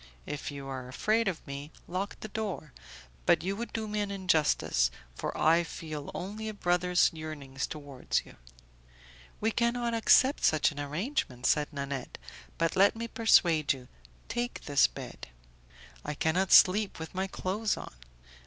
If you are afraid of me, lock the door, but you would do me an injustice, for I feel only a brother's yearnings towards you." "We cannot accept such an arrangement," said Nanette, "but let me persuade you; take this bed." "I cannot sleep with my clothes on."